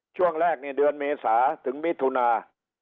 ช่วงแรกเดือนเมษาถึงมิถุนา